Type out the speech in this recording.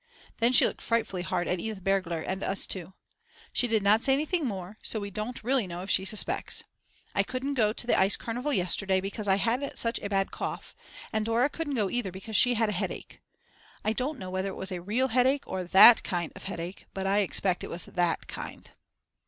Then she looked frightfully hard at Edith Bergler and us two. She did not say anything more, so we don't really know if she suspects. I couldn't go to the ice carnival yesterday because I had such a bad cough, and Dora couldn't go either because she had a headache; I don't know whether it was a real headache or that kind of headache; but I expect it was that kind.